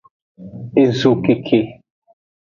Ezokeke.